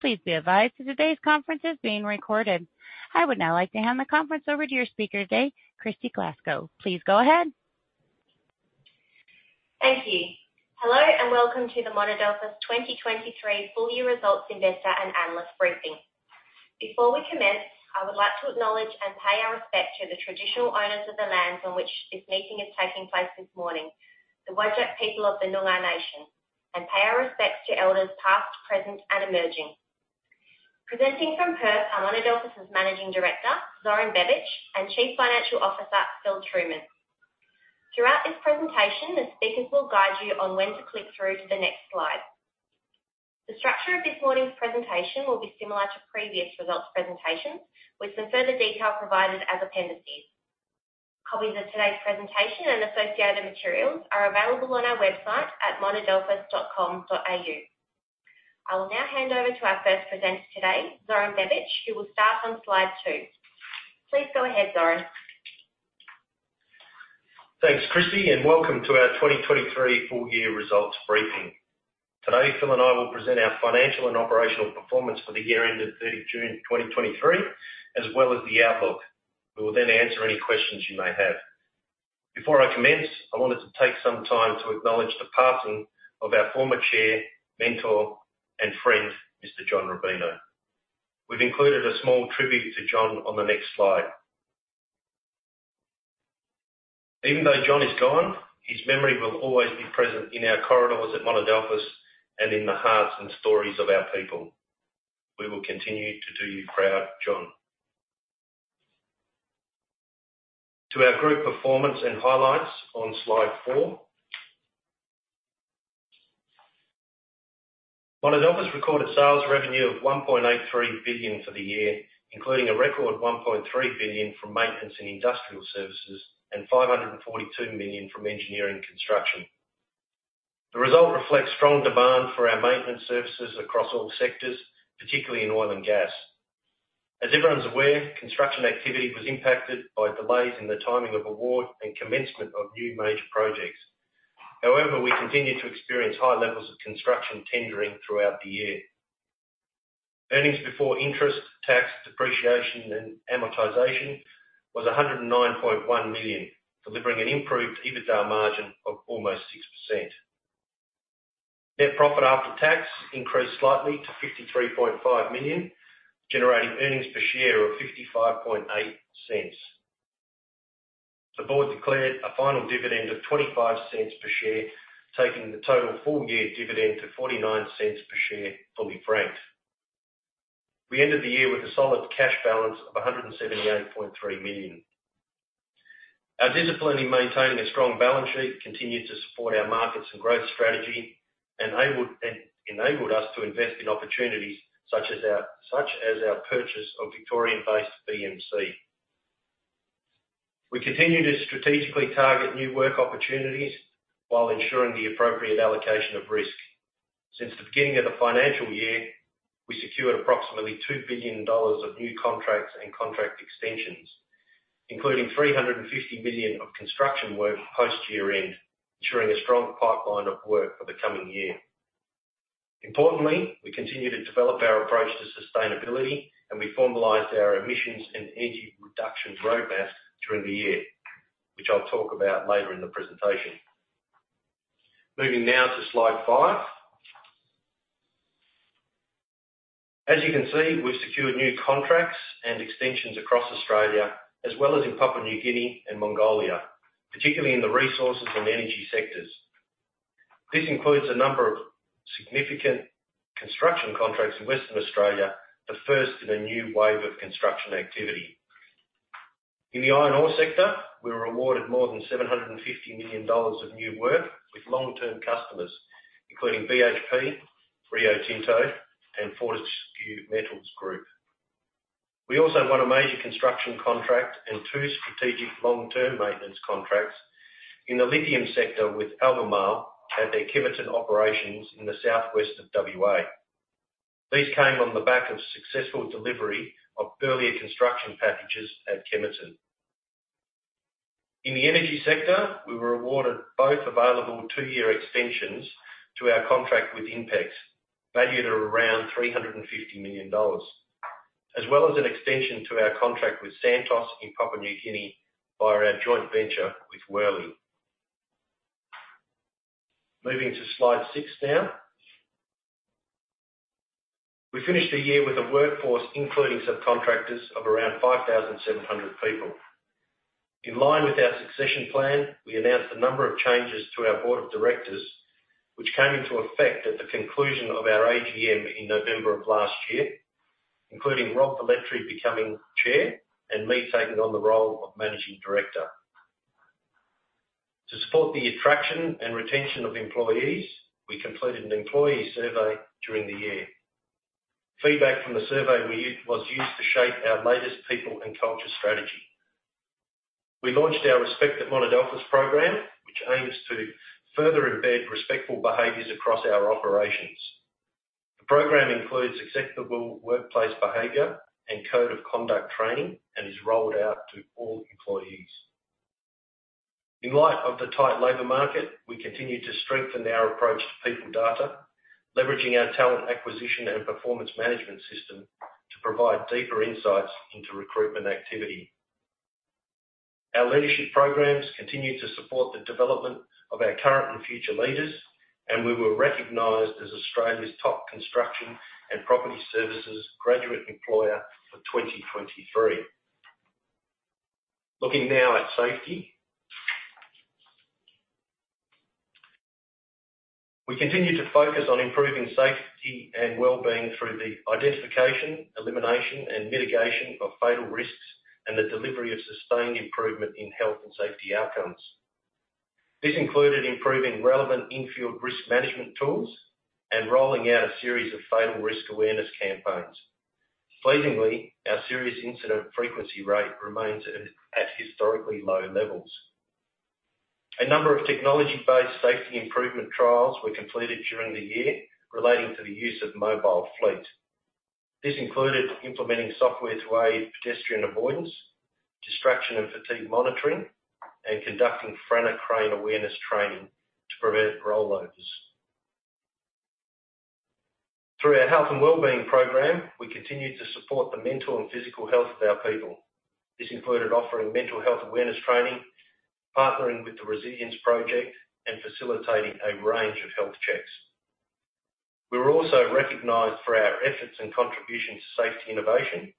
Please be advised that today's conference is being recorded. I would now like to hand the conference over to your speaker today, Kristy Glasgow. Please go ahead. Thank you. Hello, welcome to the Monadelphous 2023 full year results investor and analyst briefing. Before we commence, I would like to acknowledge and pay our respects to the traditional owners of the lands on which this meeting is taking place this morning, the Whadjuk people of the Noongar Nation, and pay our respects to elders past, present, and emerging. Presenting from Perth are Monadelphous' Managing Director, Zoran Bebic, and Chief Financial Officer, Philip Trueman. Throughout this presentation, the speakers will guide you on when to click through to the next slide. The structure of this morning's presentation will be similar to previous results presentations, with some further detail provided as appendices. Copies of today's presentation and associated materials are available on our website at monadelphous.com.au. I will now hand over to our first presenter today, Zoran Bebic, who will start on slide 2. Please go ahead, Zoran. Thanks, Kristy. Welcome to our 2023 full year results briefing. Today, Phil and I will present our financial and operational performance for the year ended June 30, 2023, as well as the outlook. We will then answer any questions you may have. Before I commence, I wanted to take some time to acknowledge the passing of our former chair, mentor, and friend, Mr. John Rubino. We've included a small tribute to John on the next slide. Even though John is gone, his memory will always be present in our corridors at Monadelphous and in the hearts and stories of our people. We will continue to do you proud, John. To our group performance and highlights on Slide 4. Monadelphous recorded sales revenue of 1.83 billion for the year, including a record 1.3 billion from maintenance and industrial services, and 542 million from engineering construction. The result reflects strong demand for our maintenance services across all sectors, particularly in oil and gas. As everyone's aware, construction activity was impacted by delays in the timing of award and commencement of new major projects. However, we continued to experience high levels of construction tendering throughout the year. Earnings before interest, tax, depreciation, and amortization was 109.1 million, delivering an improved EBITDA margin of almost 6%. Net profit after tax increased slightly to 53.5 million, generating earnings per share of 0.558. The board declared a final dividend of 0.25 per share, taking the total full year dividend to 0.49 per share, fully franked. We ended the year with a solid cash balance of 178.3 million. Our discipline in maintaining a strong balance sheet continued to support our markets and growth strategy, enabled us to invest in opportunities such as our purchase of Victorian-based BMC. We continued to strategically target new work opportunities while ensuring the appropriate allocation of risk. Since the beginning of the financial year, we secured approximately 2 billion dollars of new contracts and contract extensions, including 350 million of construction work post-year end, ensuring a strong pipeline of work for the coming year. Importantly, we continued to develop our approach to sustainability, and we formalized our emissions and energy reduction roadmap during the year, which I'll talk about later in the presentation. Moving now to slide five. As you can see, we've secured new contracts and extensions across Australia, as well as in Papua New Guinea and Mongolia, particularly in the resources and energy sectors. This includes a number of significant construction contracts in Western Australia, the first in a new wave of construction activity. In the iron ore sector, we were awarded more than 750 million dollars of new work with long-term customers, including BHP, Rio Tinto, and Fortescue Metals Group. We also won a major construction contract and two strategic long-term maintenance contracts in the lithium sector with Albemarle at their Kemerton operations in the southwest of WA. These came on the back of successful delivery of earlier construction packages at Kemerton. In the energy sector, we were awarded both available two-year extensions to our contract with INPEX, valued at around 350 million dollars, as well as an extension to our contract with Santos in Papua New Guinea by our joint venture with Worley. Moving to slide 6 now. We finished the year with a workforce, including subcontractors, of around 5,700 people. In line with our succession plan, we announced a number of changes to our board of directors, which came into effect at the conclusion of our AGM in November of last year, including Rob Velletri becoming chair and me taking on the role of managing director. To support the attraction and retention of employees, we completed an employee survey during the year. Feedback from the survey we used was used to shape our latest people and culture strategy. We launched our Respect@Monadelphous program, which aims to further embed respectful behaviors across our operations. The program includes acceptable workplace behavior and code of conduct training and is rolled out to all employees. In light of the tight labor market, we continue to strengthen our approach to people data, leveraging our talent acquisition and performance management system to provide deeper insights into recruitment activity. Our leadership programs continue to support the development of our current and future leaders, and we were recognized as Australia's top construction and property services graduate employer for 2023. Looking now at safety. We continue to focus on improving safety and wellbeing through the identification, elimination and mitigation of fatal risks, and the delivery of sustained improvement in health and safety outcomes. This included improving relevant in-field risk management tools and rolling out a series of fatal risk awareness campaigns. Pleasingly, our serious incident frequency rate remains at historically low levels. A number of technology-based safety improvement trials were completed during the year relating to the use of mobile fleet. This included implementing software to aid pedestrian avoidance, distraction and fatigue monitoring, and conducting Franna crane awareness training to prevent rollovers. Through our health and wellbeing program, we continued to support the mental and physical health of our people. This included offering mental health awareness training, partnering with The Resilience Project, and facilitating a range of health checks. We were also recognized for our efforts and contribution to safety innovation,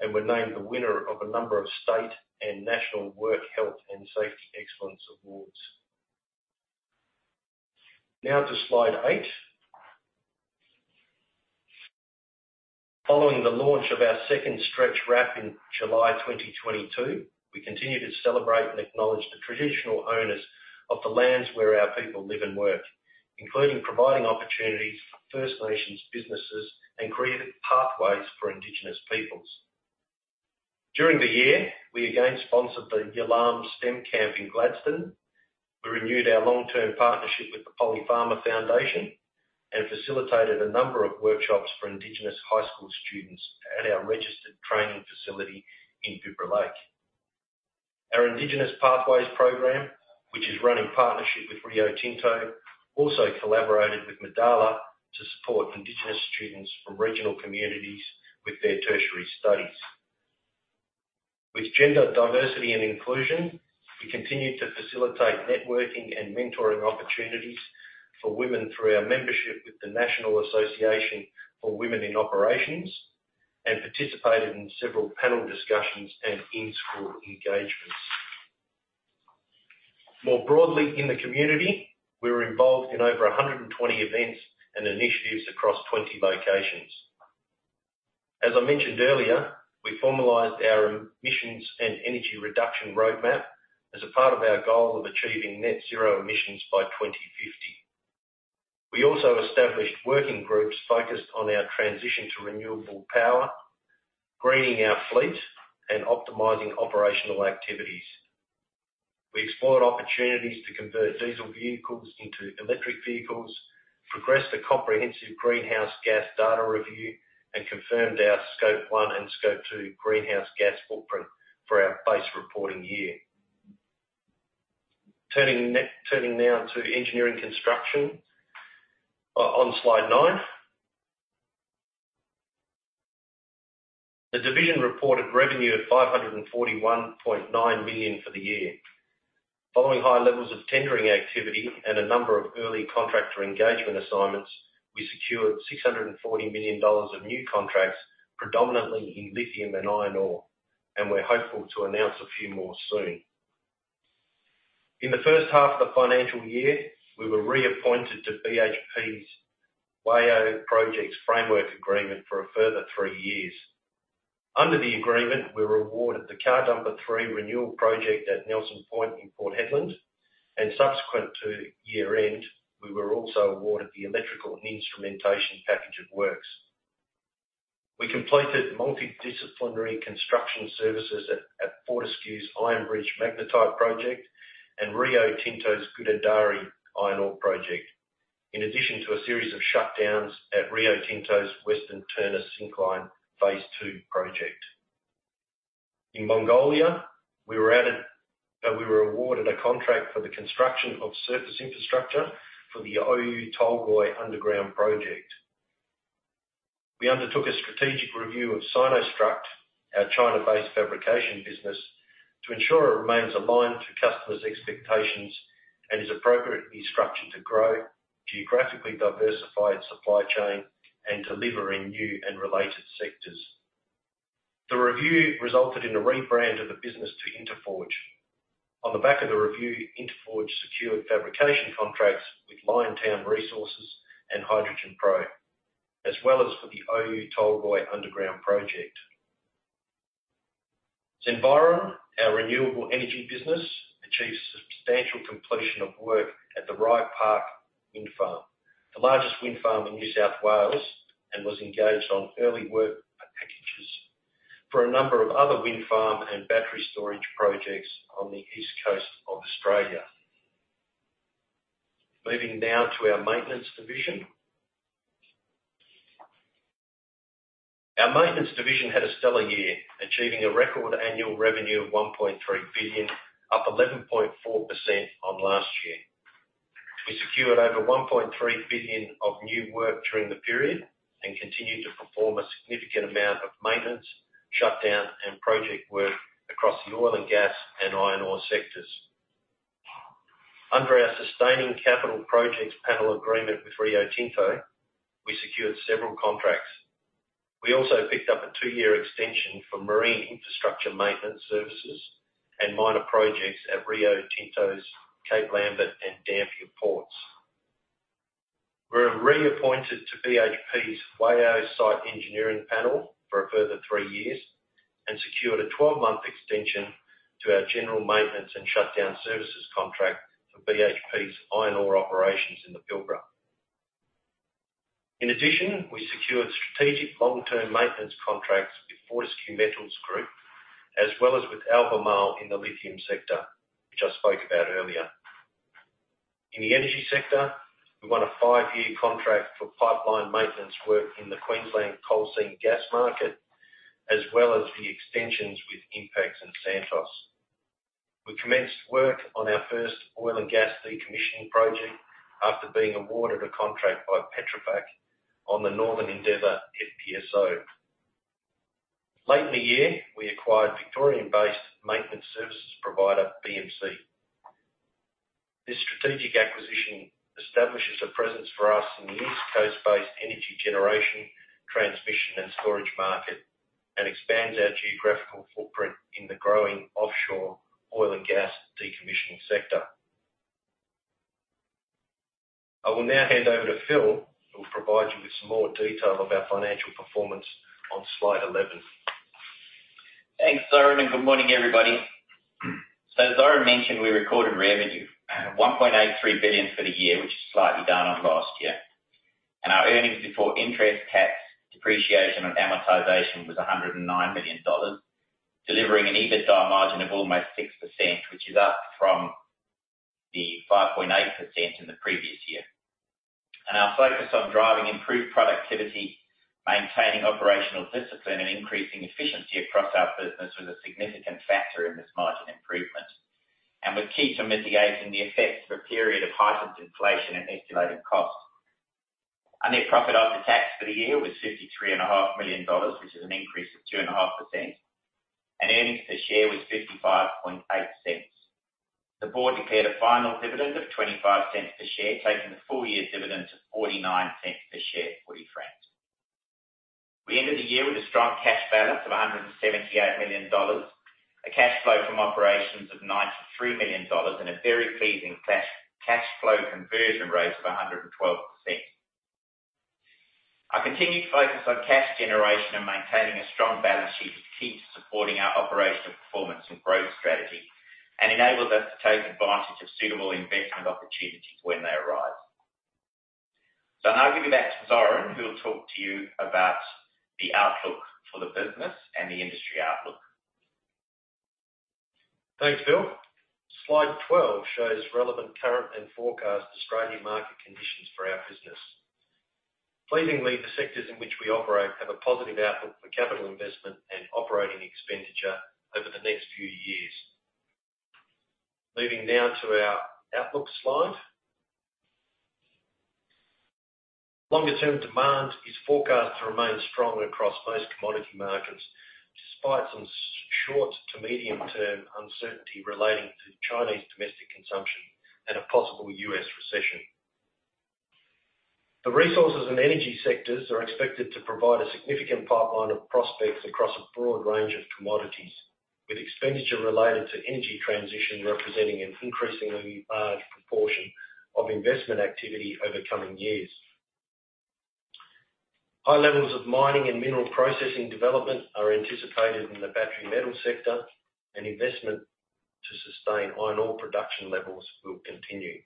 and were named the winner of a number of state and national Work Health and Safety Excellence Awards. Now to slide 8. Following the launch of our second Stretch RAP in July 2022, we continue to celebrate and acknowledge the traditional owners of the lands where our people live and work, including providing opportunities for First Nations businesses and creating pathways for Indigenous peoples. During the year, we again sponsored the Yalamb STEM Camp in Gladstone. We renewed our long-term partnership with the Polly Farmer Foundation, and facilitated a number of workshops for Indigenous high school students at our registered training facility in Coober Pedy. Our Indigenous Pathways program, which is run in partnership with Rio Tinto, also collaborated with Madalah to support Indigenous students from regional communities with their tertiary studies. With gender diversity and inclusion, we continued to facilitate networking and mentoring opportunities for women through our membership with the National Association of Women in Operations, and participated in several panel discussions and in-school engagements. More broadly in the community, we were involved in over 120 events and initiatives across 20 locations. As I mentioned earlier, we formalized our emissions and energy reduction roadmap as a part of our goal of achieving net zero emissions by 2050. We also established working groups focused on our transition to renewable power, greening our fleet, and optimizing operational activities. We explored opportunities to convert diesel vehicles into electric vehicles, progressed a comprehensive greenhouse gas data review, and confirmed our Scope 1 and Scope 2 greenhouse gas footprint for our base reporting year. Turning now to engineering construction, on slide 9. The division reported revenue of 541.9 million for the year. Following high levels of tendering activity and a number of early contractor engagement assignments, we secured 640 million dollars of new contracts, predominantly in lithium and iron ore, and we're hopeful to announce a few more soon. In the first half of the financial year, we were reappointed to BHP's WAIO Projects Framework Agreement for a further 3 years. Under the agreement, we were awarded the Car Dumper 3 Renewal project at Nelson Point in Port Hedland, subsequent to year-end, we were also awarded the electrical and instrumentation package of works. We completed multidisciplinary construction services at Fortescue's Iron Bridge Magnetite project and Rio Tinto's Gudai-Darri Iron Ore project, in addition to a series of shutdowns at Rio Tinto's Western Turner Syncline Phase 2 project. In Mongolia, we were awarded a contract for the construction of surface infrastructure for the Oyu Tolgoi underground project. We undertook a strategic review of SinoStruct, our China-based fabrication business, to ensure it remains aligned to customers' expectations and is appropriately structured to grow, geographically diversify its supply chain, and deliver in new and related sectors. The review resulted in a rebrand of the business to Interforge. On the back of the review, Interforge secured fabrication contracts with Liontown Resources and HydrogenPro, as well as for the Oyu Tolgoi underground project. Zenviron, our renewable energy business, achieved substantial completion of work at the Rye Park Wind Farm, the largest wind farm in New South Wales, and was engaged on early work packages for a number of other wind farm and battery storage projects on the East Coast of Australia. Moving now to our maintenance division. Our maintenance division had a stellar year, achieving a record annual revenue of 1.3 billion, up 11.4% on last year. We secured over 1.3 billion of new work during the period and continued to perform a significant amount of maintenance, shutdown, and project work across the oil and gas and iron ore sectors. Under our Sustaining Capital Projects panel agreement with Rio Tinto, we secured several contracts. We also picked up a two-year extension for marine infrastructure maintenance services and minor projects at Rio Tinto's Cape Lambert and Dampier ports. We were reappointed to BHP's WA Site Engineering Panel for a further three years and secured a 12-month extension to our general maintenance and shutdown services contract for BHP's iron ore operations in the Pilbara. In addition, we secured strategic long-term maintenance contracts with Fortescue Metals Group, as well as with Albemarle in the lithium sector, which I spoke about earlier. In the energy sector, we won a five-year contract for pipeline maintenance work in the Queensland coal seam gas market, as well as the extensions with INPEX and Santos. We commenced work on our first oil and gas decommissioning project after being awarded a contract by Petrofac on the Northern Endeavour FPSO. Late in the year, we acquired Victorian-based maintenance services provider, BMC. This strategic acquisition establishes a presence for us in the East Coast-based energy generation, transmission, and storage market, and expands our geographical footprint in the growing offshore oil and gas decommissioning sector. I will now hand over to Phil, who will provide you with some more detail of our financial performance on slide 11. Thanks, Zoran, good morning, everybody. As Zoran mentioned, we recorded revenue, 1.83 billion for the year, which is slightly down on last year. Our EBITDA was 109 million dollars, delivering an EBITDA margin of almost 6%, which is up from the 5.8% in the previous year. Our focus on driving improved productivity, maintaining operational discipline, and increasing efficiency across our business was a significant factor in this margin improvement, and was key to mitigating the effects of a period of heightened inflation and escalating costs. Our net profit after tax for the year was 53.5 million dollars, which is an increase of 2.5%, and earnings per share was 0.558. The board declared a final dividend of 0.25 per share, taking the full year's dividend to 0.49 per share fully franked. We ended the year with a strong cash balance of 178 million dollars, a cash flow from operations of 93 million dollars, and a very pleasing cash, cash flow conversion rate of 112%. Our continued focus on cash generation and maintaining a strong balance sheet is key to supporting our operational performance and growth strategy, and enables us to take advantage of suitable investment opportunities when they arise. I'll now give you back to Zoran, who will talk to you about the outlook for the business and the industry outlook. Thanks, Phil. Slide 12 shows relevant current and forecast Australian market conditions for our business. Pleasingly, the sectors in which we operate have a positive outlook for capital investment and operating expenditure over the next few years. Moving now to our outlook slide. Longer-term demand is forecast to remain strong across most commodity markets, despite some short to medium-term uncertainty relating to Chinese domestic consumption and a possible U.S. recession. The resources and energy sectors are expected to provide a significant pipeline of prospects across a broad range of commodities, with expenditure related to energy transition representing an increasingly large proportion of investment activity over coming years. High levels of mining and mineral processing development are anticipated in the battery metal sector, and investment to sustain iron ore production levels will continue.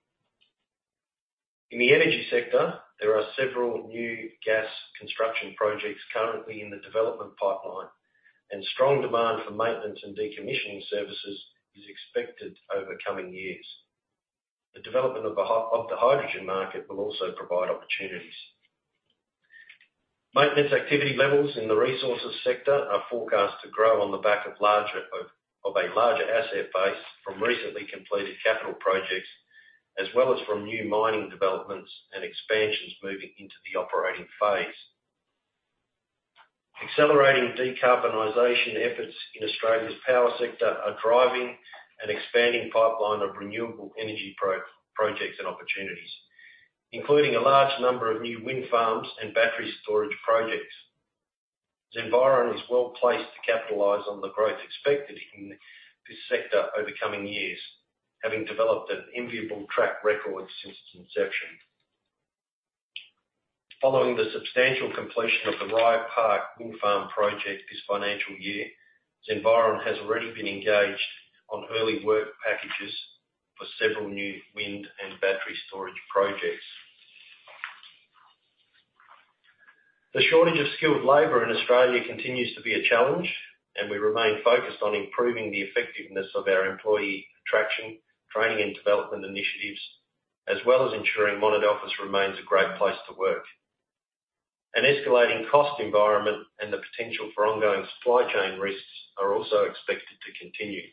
In the energy sector, there are several new gas construction projects currently in the development pipeline, and strong demand for maintenance and decommissioning services is expected over coming years. The development of the hydrogen market will also provide opportunities. Maintenance activity levels in the resources sector are forecast to grow on the back of a larger asset base from recently completed capital projects, as well as from new mining developments and expansions moving into the operating phase. Accelerating decarbonization efforts in Australia's power sector are driving an expanding pipeline of renewable energy projects and opportunities, including a large number of new wind farms and battery storage projects. Zenviron is well placed to capitalize on the growth expected in this sector over coming years, having developed an enviable track record since its inception. Following the substantial completion of the Rye Park Wind Farm project this financial year, Zenviron has already been engaged on early work packages for several new wind and battery storage projects. The shortage of skilled labor in Australia continues to be a challenge, and we remain focused on improving the effectiveness of our employee attraction, training, and development initiatives. As well as ensuring Monadelphous remains a great place to work. An escalating cost environment and the potential for ongoing supply chain risks are also expected to continue.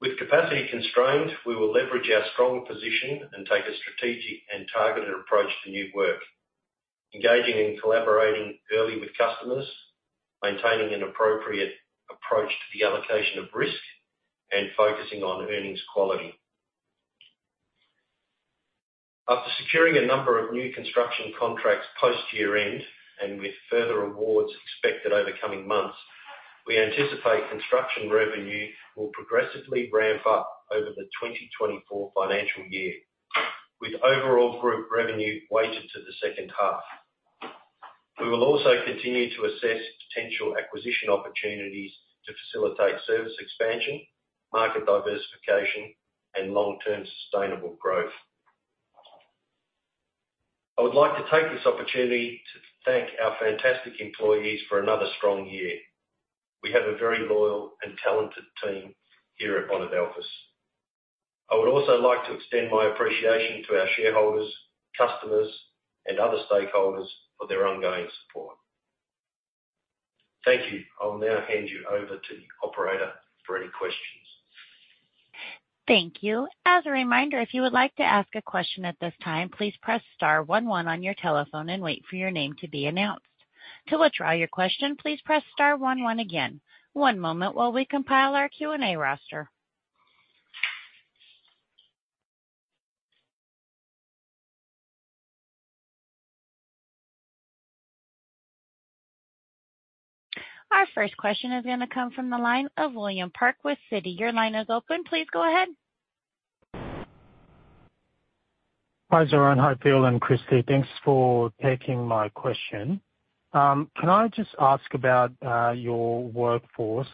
With capacity constraints, we will leverage our strong position and take a strategic and targeted approach to new work, engaging and collaborating early with customers, maintaining an appropriate approach to the allocation of risk, and focusing on earnings quality. After securing a number of new construction contracts post year-end, and with further awards expected over coming months, we anticipate construction revenue will progressively ramp up over the 2024 financial year, with overall group revenue weighted to the second half. We will also continue to assess potential acquisition opportunities to facilitate service expansion, market diversification, and long-term sustainable growth. I would like to take this opportunity to thank our fantastic employees for another strong year. We have a very loyal and talented team here at Monadelphous. I would also like to extend my appreciation to our shareholders, customers, and other stakeholders for their ongoing support. Thank you. I'll now hand you over to the operator for any questions. Thank you. As a reminder, if you would like to ask a question at this time, please press star 11 on your telephone and wait for your name to be announced. To withdraw your question, please press star 11 again. One moment while we compile our Q&A roster. Our first question is gonna come from the line of William Park with Citi. Your line is open. Please go ahead. Hi, Zoran, Phil, and Kristy. Thanks for taking my question. Can I just ask about your workforce?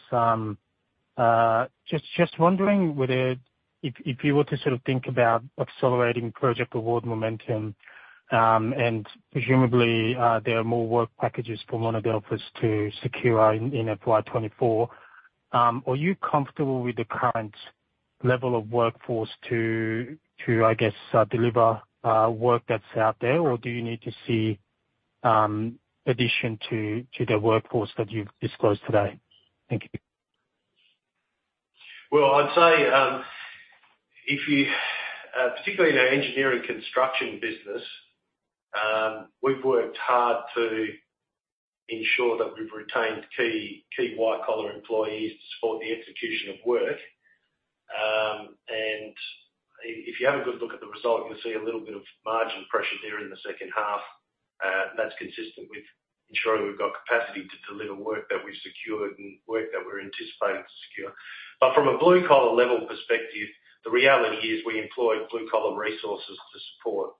Just wondering whether if, if you were to sort of think about accelerating project award momentum, and presumably, there are more work packages for Monadelphous to secure in FY 2024. Are you comfortable with the current level of workforce to, to, I guess, deliver work that's out there, or do you need to see addition to, to the workforce that you've disclosed today? Thank you. Well, I'd say, if you, particularly in our engineering construction business, we've worked hard to ensure that we've retained key, key white-collar employees to support the execution of work. If you have a good look at the result, you'll see a little bit of margin pressure there in the second half. That's consistent with ensuring we've got capacity to deliver work that we've secured and work that we're anticipating to secure. From a blue-collar level perspective, the reality is we employ blue-collar resources to support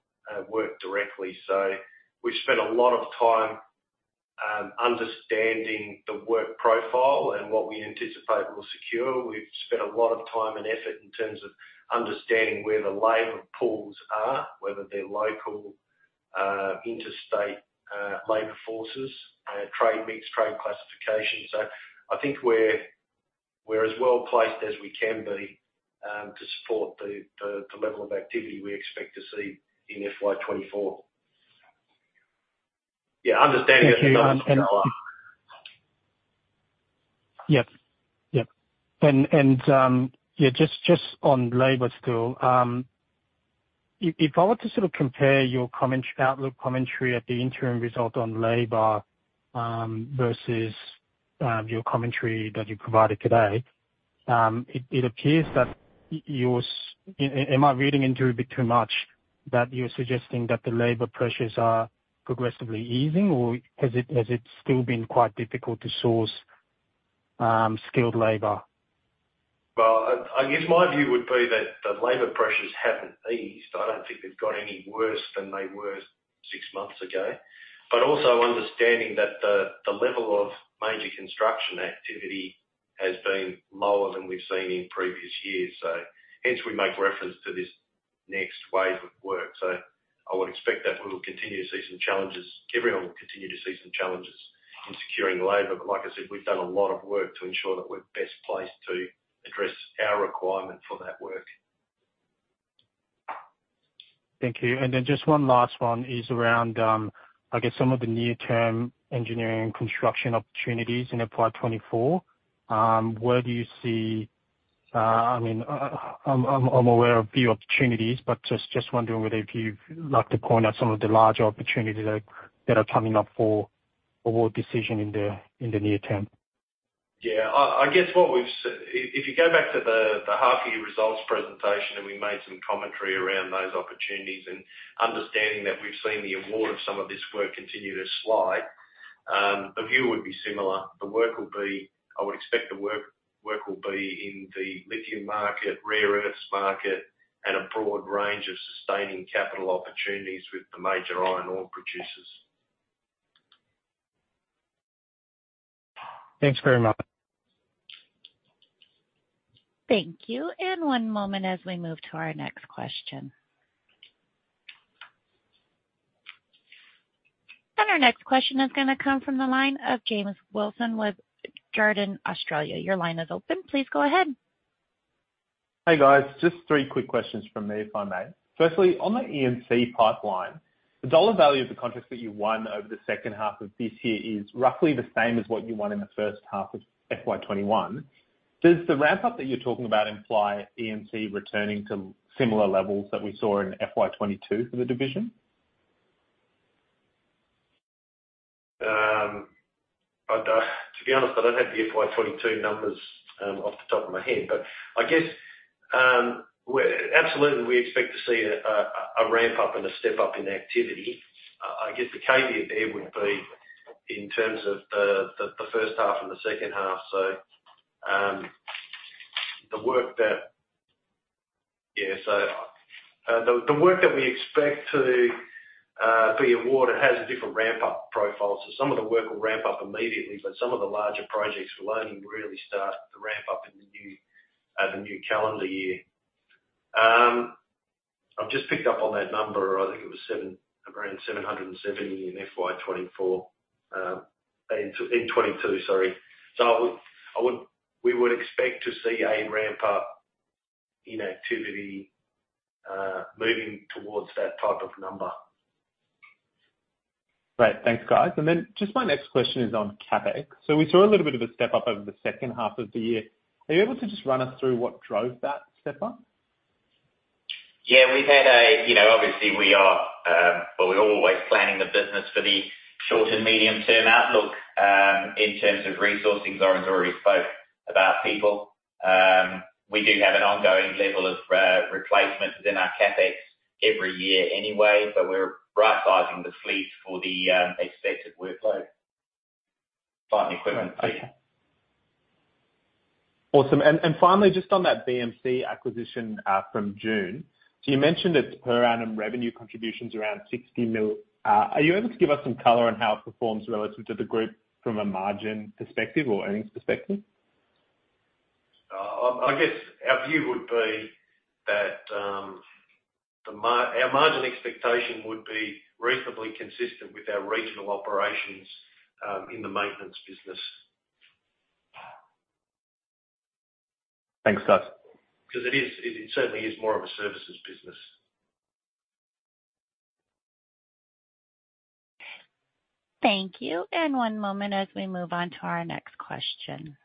work directly. We've spent a lot of time understanding the work profile and what we anticipate we'll secure. We've spent a lot of time and effort in terms of understanding where the labor pools are, whether they're local, interstate, labor forces, trade meets, trade classification. I think we're, we're as well placed as we can be to support the, the, the level of activity we expect to see in FY 2024. Yeah, understanding- Thank you. The numbers go up. Yep. Yep. And, yeah, just, just on labor still. If, if I were to sort of compare your comment, outlook commentary at the interim result on labor, versus, your commentary that you provided today, it, it appears that you're Am I reading into a bit too much, that you're suggesting that the labor pressures are progressively easing, or has it, has it still been quite difficult to source, skilled labor? Well, I guess my view would be that the labor pressures haven't eased. I don't think they've got any worse than they were six months ago. Also understanding that the level of major construction activity has been lower than we've seen in previous years, so hence we make reference to this next wave of work. I would expect that we will continue to see some challenges. Everyone will continue to see some challenges in securing labor, but like I said, we've done a lot of work to ensure that we're best placed to address our requirement for that work. Thank you. Then just one last one is around, I guess, some of the near-term engineering and construction opportunities in FY 2024. Where do you see... I mean, I'm aware of a few opportunities, just wondering whether you'd like to point out some of the larger opportunities that are coming up for award decision in the, in the near term. Yeah, I, I guess what we've. If you go back to the half year results presentation, and we made some commentary around those opportunities, and understanding that we've seen the award of some of this work continue to slide, the view would be similar. I would expect the work will be in the lithium market, rare earths market, and a broad range of sustaining capital opportunities with the major iron ore producers. Thanks very much. Thank you. One moment as we move to our next question. Our next question is gonna come from the line of James Wilson with Jarden Australia. Your line is open. Please go ahead. Hey, guys. Just three quick questions from me, if I may. Firstly, on the E&C pipeline, the dollar value of the contracts that you won over the second half of this year is roughly the same as what you won in the first half of FY 2021. Does the ramp-up that you're talking about imply E&C returning to similar levels that we saw in FY 2022 for the division? I'd to be honest, I don't have the FY 2022 numbers off the top of my head. I guess absolutely, we expect to see a ramp-up and a step-up in activity. I guess the caveat there would be in terms of the first half and the second half. The work that we expect to be awarded has a different ramp-up profile. Some of the work will ramp up immediately, but some of the larger projects will only really start to ramp up in the new calendar year. I've just picked up on that number. I think it was around 770 in FY 2024, in 2022, sorry. I would, I would, we would expect to see a ramp-up in activity, moving towards that type of number. Great. Thanks, guys. Just my next question is on CapEx. We saw a little bit of a step-up over the second half of the year. Are you able to just run us through what drove that step-up? Yeah, we've had You know, obviously we are, well, we're always planning the business for the short and medium-term outlook, in terms of resourcing. Zoran's already spoke about people. We do have an ongoing level of replacements within our CapEx every year anyway, but we're right-sizing the fleet for the expected workload, plant equipment. Awesome. Finally, just on that BMC acquisition from June, so you mentioned its per annum revenue contribution's around 60 million. Are you able to give us some color on how it performs relative to the group from a margin perspective or earnings perspective? I, I guess our view would be that, our margin expectation would be reasonably consistent with our regional operations, in the maintenance business. Thanks, guys. 'Cause it is, it certainly is more of a services business. Thank you, and one moment as we move on to our next question.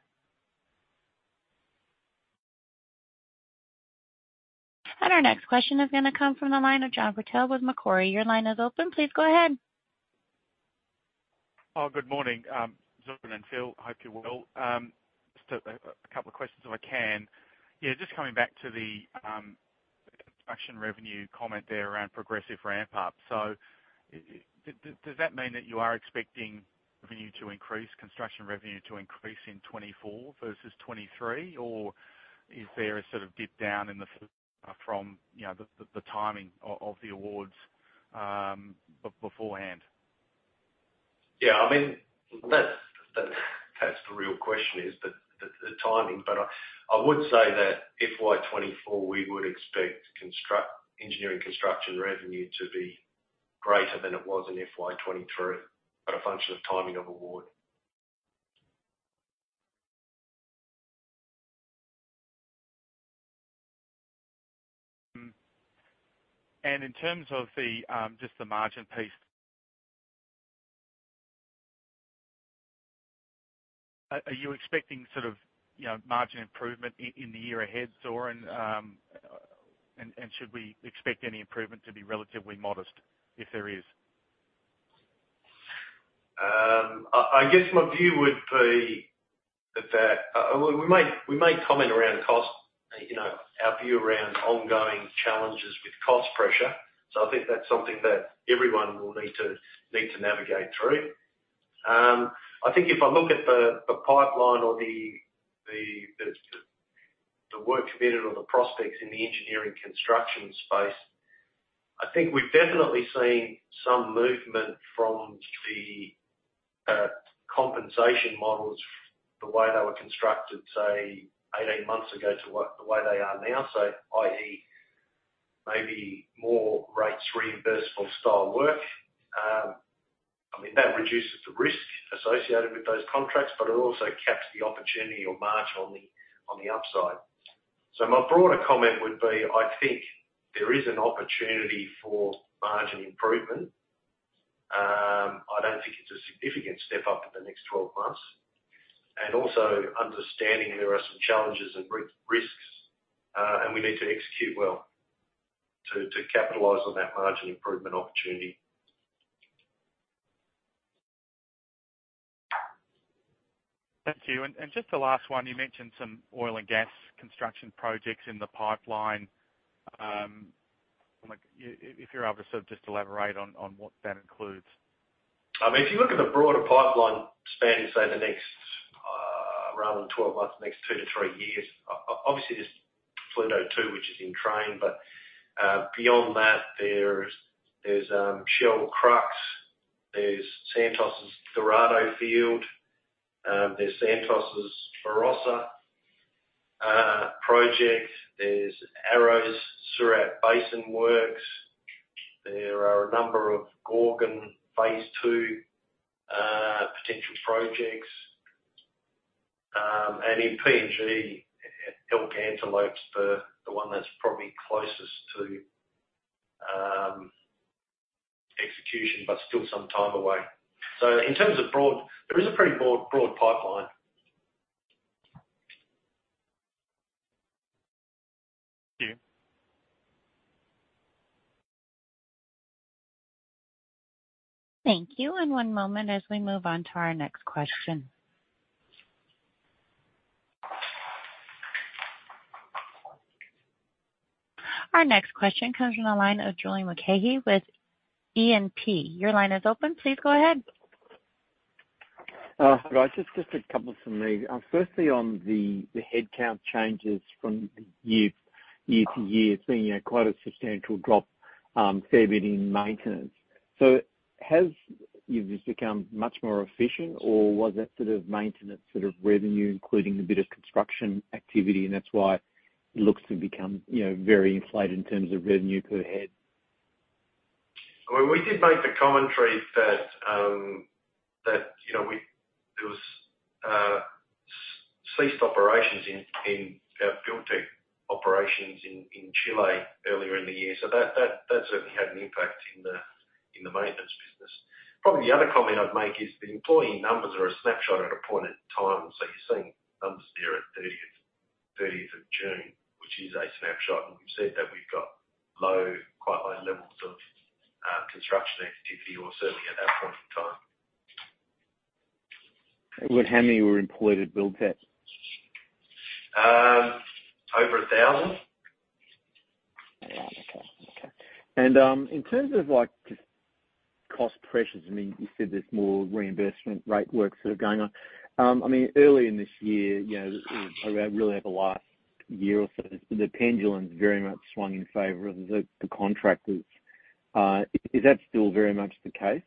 Our next question is gonna come from the line of John Hynd with Macquarie. Your line is open. Please go ahead. Oh, good morning, Zoran and Phil. Hope you're well. Just a couple of questions if I can. Yeah, just coming back to the construction revenue comment there around progressive ramp-up. Does that mean that you are expecting revenue to increase, construction revenue to increase in 2024 versus 2023, or is there a sort of dip down in the from, you know, the, the, the timing of the awards beforehand? Yeah, I mean, that's, that, that's the real question is the, the, the timing. I, I would say that FY 2024, we would expect construct- engineering construction revenue to be greater than it was in FY 2023, but a function of timing of award. Hmm. In terms of the, just the margin piece, are you expecting sort of, you know, margin improvement in the year ahead, Zoran? Should we expect any improvement to be relatively modest if there is? I, I guess my view would be that, that, well, we may, we may comment around cost, you know, our view around ongoing challenges with cost pressure. I think that's something that everyone will need to, need to navigate through. I think if I look at the, the pipeline or the, the, the, the work committed or the prospects in the engineering construction space, I think we've definitely seen some movement from the compensation models, the way they were constructed, say, 18 months ago to what the way they are now. i.e., maybe more rates reimbursable style work. I mean, that reduces the risk associated with those contracts, but it also caps the opportunity or margin on the, on the upside. My broader comment would be, I think there is an opportunity for margin improvement. I don't think it's a significant step up in the next 12 months. Also understanding there are some challenges and risks, and we need to execute well to capitalize on that margin improvement opportunity. Thank you. Just the last one, you mentioned some oil and gas construction projects in the pipeline. like, if you're able to sort of just elaborate on, on what that includes. I mean, if you look at the broader pipeline spanning, say, the next, rather than 12 months, the next 2-3 years, obviously there's Pluto 2, which is in train. Beyond that, there's Shell Crux, there's Santos' Dorado Field, there's Santos' Barossa. Project is Surat Gas Project works. There are a number of Gorgon Stage 2 potential projects. In PNG, Elk-Antelope's the one that's probably closest to execution, but still some time away. In terms of broad, there is a pretty broad, broad pipeline. Thank you. Thank you. One moment as we move on to our next question. Our next question comes from the line of Julian McCarthy with E&P. Your line is open. Please go ahead. Hi. Just two from me. Firstly, on the headcount changes year-over-year, seeing, you know, quite a substantial drop, fair bit in maintenance. So has you've just become much more efficient or was that sort of maintenance, sort of, revenue, including a bit of construction activity, and that's why it looks to become, you know, very inflated in terms of revenue per head? Well, we did make the commentary that, that, you know, there was ceased operations in, in our Buildtek operations in, in Chile earlier in the year. That, that, that certainly had an impact in the, in the maintenance business. Probably the other comment I'd make is the employee numbers are a snapshot at a point in time. You're seeing numbers there at 30th, 30th of June, which is a snapshot, and we've said that we've got low, quite low levels of construction activity, or certainly at that point in time. Well, how many were employed at Buildtek? Over 1,000. All right. Okay. Okay. In terms of, like, just cost pressures, I mean, you said there's more reinvestment rate works that are going on. I mean, early in this year, you know, around really over the last year or so, the pendulum's very much swung in favor of the, the contractors. Is that still very much the case?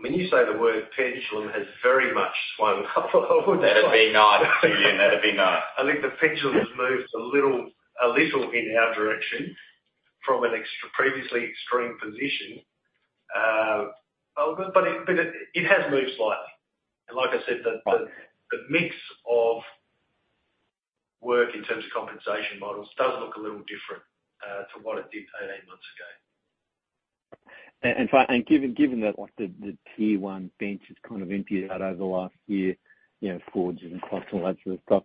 When you say the word pendulum has very much swung, I would- That'd be nice. That'd be nice. I think the pendulum has moved a little, a little in our direction from a previously extreme position. It, it has moved slightly. Like I said, the, the, the mix of work in terms of compensation models does look a little different to what it did 18 months ago. Given that, like, the tier one bench is kind of emptied out over the last year, you know, forges and costs and all that sort of stuff,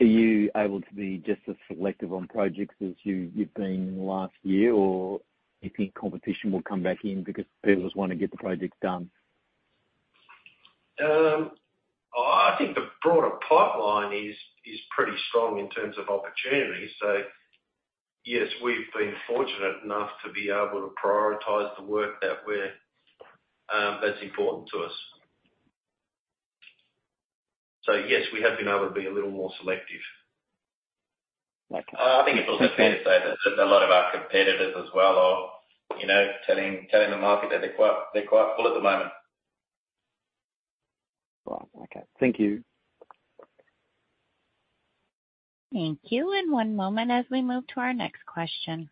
are you able to be just as selective on projects as you've been last year? Or you think competition will come back in because builders want to get the projects done? I, I think the broader pipeline is, is pretty strong in terms of opportunities. Yes, we've been fortunate enough to be able to prioritize the work that we're that's important to us. Yes, we have been able to be a little more selective. Okay. I think it's also fair to say that a lot of our competitors as well are, you know, telling, telling the market that they're quite, they're quite full at the moment. Well, okay. Thank you. Thank you. One moment as we move to our next question.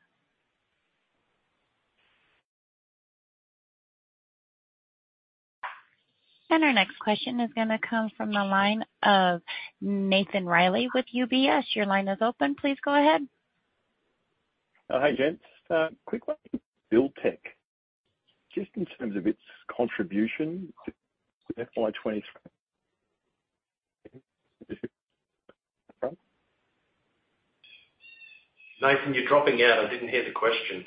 Our next question is gonna come from the line of Nathan Reilly with UBS. Your line is open. Please go ahead. Oh, hi, gents. Quick one, Buildtek, just in terms of its contribution to FY 2023? Nathan, you're dropping out. I didn't hear the question.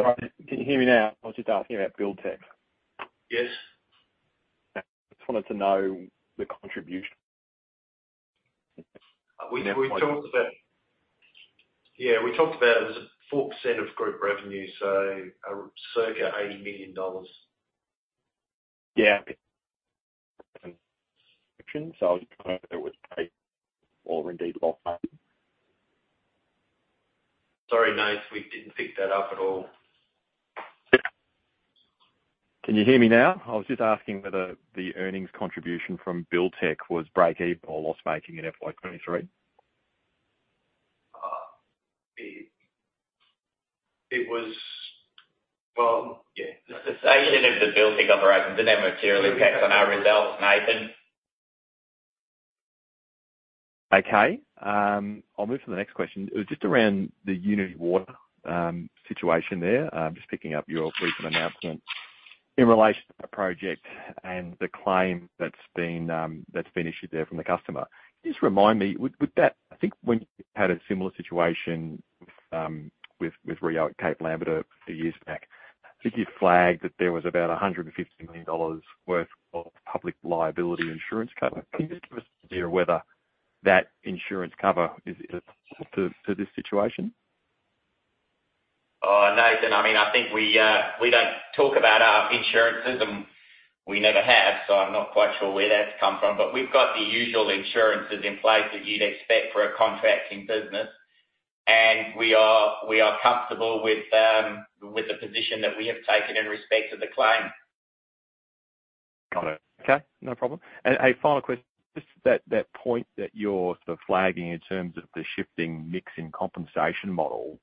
Sorry, can you hear me now? I was just asking about Buildtek. Yes. I just wanted to know the contribution. Yeah, we talked about it was a 4% of group revenue, so, circa AUD 80 million. Yeah. I was just wondering if it was paid or indeed lost? Sorry, Nate, we didn't pick that up at all. Can you hear me now? I was just asking whether the earnings contribution from Buildtek was break-even or loss-making in FY 23. It, it was, well, yeah, Even if the Buildtek operations, it didn't materially impact on our results, Nathan. Okay, I'll move to the next question. It was just around the Unitywater situation there. Just picking up your recent announcement in relation to the project and the claim that's been, that's been issued there from the customer. Just remind me, with, with that, I think when you had a similar situation with, with Rio at Cape Lambert a few years back, I think you flagged that there was about 150 million dollars worth of public liability insurance cover. Can you just give us an idea whether that insurance cover is, is to, to this situation? Oh, Nathan, I mean, I think we, we don't talk about our insurances and we never have, so I'm not quite sure where that's come from. We've got the usual insurances in place that you'd expect for a contracting business, and we are, we are comfortable with, with the position that we have taken in respect to the claim. Got it. Okay, no problem. A final question, just that, that point that you're sort of flagging in terms of the shifting mix in compensation models,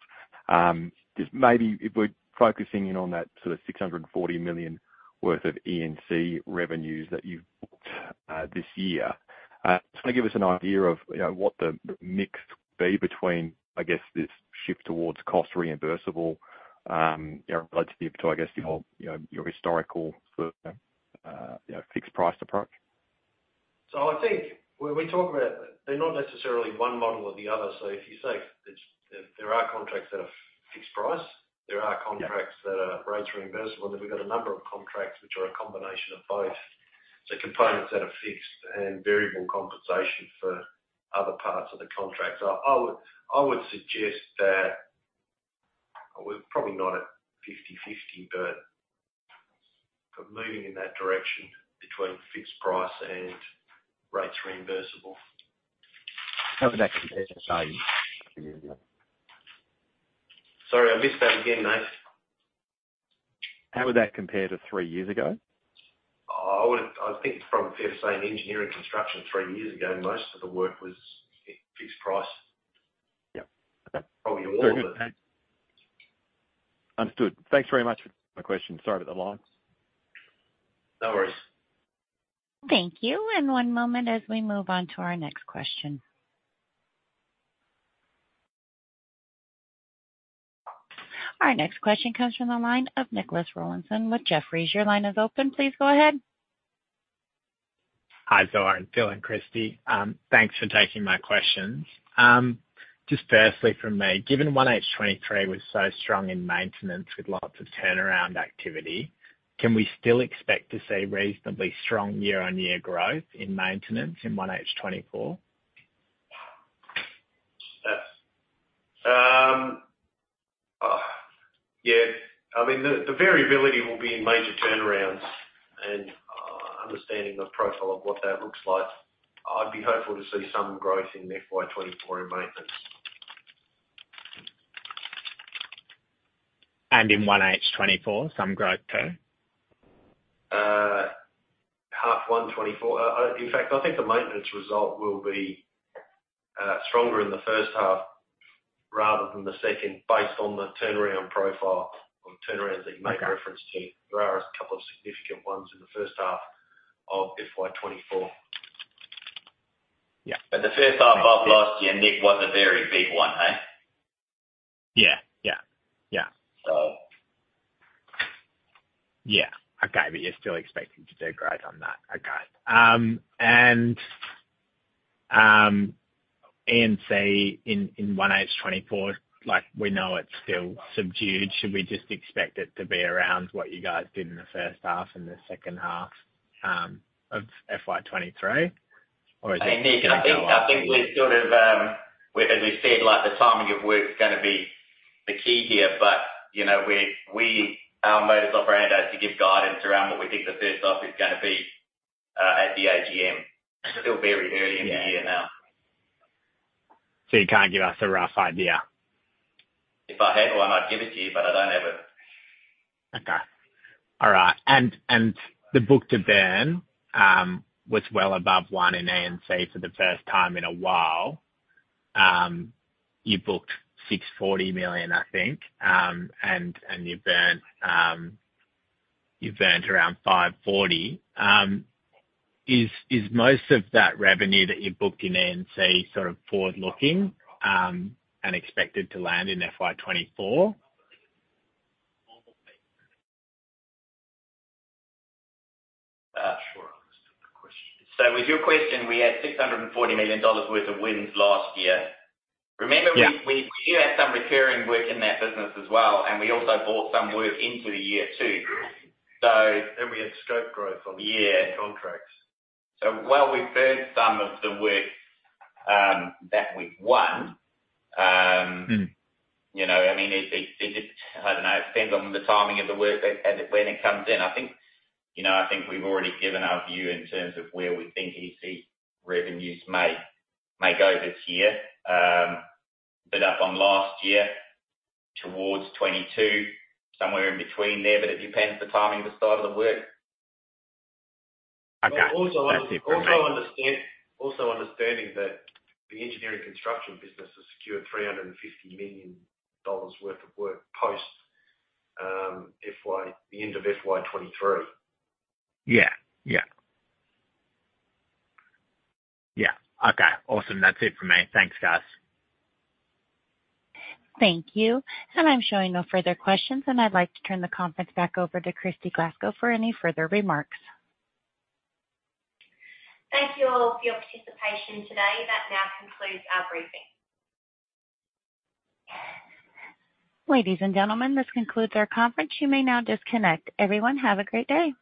just maybe if we're focusing in on that sort of 640 million worth of E&C revenues that you've booked this year, just wanna give us an idea of, you know, what the mix would be between, I guess, this shift towards cost reimbursable, you know, relative to, I guess, your, you know, your historical sort of, you know, fixed price approach? I think when we talk about it, they're not necessarily one model or the other. So if you say it's, there, there are contracts that are fixed price, there are contracts. Yeah. that are rates reimbursable. We've got a number of contracts which are a combination of both. Components that are fixed and variable compensation for other parts of the contract. I would, I would suggest that we're probably not at 50/50, but, but moving in that direction between fixed price and rates reimbursable. How would that compare to three years ago? Sorry, I missed that again, mate. How would that compare to three years ago? I would, I think it's probably fair to say in engineering construction, 3 years ago, most of the work was fixed price. Yep. Probably all of it. Understood. Thanks very much for my question. Sorry about the line. No worries. Thank you. One moment as we move on to our next question. Our next question comes from the line of Nicholas Rawlinson with Jefferies. Your line is open. Please go ahead. Hi, Zoran, Phil, and Kristy. Thanks for taking my questions. Just firstly from me, given 1H23 was so strong in maintenance with lots of turnaround activity, can we still expect to see reasonably strong year-on-year growth in maintenance in 1H24? Yes. Yeah, I mean, the, the variability will be in major turnarounds and understanding the profile of what that looks like. I'd be hopeful to see some growth in FY 24 in maintenance. In 1H24, some growth too? Half one 2024. In fact, I think the maintenance result will be stronger in the first half rather than the second, based on the turnaround profile or turnarounds that you make a reference to. Okay. There are a couple of significant ones in the first half of FY 2024. Yeah. The first half of last year, Nick, was a very big one, hey? Yeah. Yeah. Yeah. So. Yeah. Okay, but you're still expecting to do great on that. Okay. E&C in 1H24, like, we know it's still subdued. Should we just expect it to be around what you guys did in the first half and the second half of FY23, or is it? Nick, I think, I think we're sort of as we said, like, the timing of work is gonna be the key here, but, you know, we, we, our modus operandi is to give guidance around what we think the first half is gonna be at the AGM. It's still very early in the year now. You can't give us a rough idea? If I had one, I'd give it to you, but I don't have it. Okay. All right, and, and the book-to-bill, was well above 1 in E&C for the first time in a while. You booked 640 million, I think, and, and you burnt, you burnt around 540 million. Is, is most of that revenue that you booked in E&C sort of forward-looking, and expected to land in FY 2024? Not sure I understood the question. With your question, we had 640 million dollars worth of wins last year. Yeah. Remember, we, we, we do have some recurring work in that business as well, and we also brought some work into the year, too. We had scope growth. Yeah contracts. While we've booked some of the work, that we've won... You know, I mean, it, it, it, I don't know. It depends on the timing of the work that, and when it comes in. I think, you know, I think we've already given our view in terms of where we think E&C revenues may, may go this year. Up on last year, towards 2022, somewhere in between there. It depends the timing, the start of the work. Okay. Also, understanding that the engineering construction business has secured 350 million dollars worth of work post, FY, the end of FY 2023. Yeah. Yeah. Yeah. Okay, awesome. That's it for me. Thanks, guys. Thank you. I'm showing no further questions, and I'd like to turn the conference back over to Kristy Glasgow for any further remarks. Thank you all for your participation today. That now concludes our briefing. Ladies and gentlemen, this concludes our conference. You may now disconnect. Everyone, have a great day.